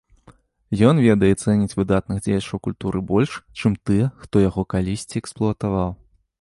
Ён ведае і цэніць выдатных дзеячаў культуры больш, чым тыя, хто яго калісьці эксплуатаваў.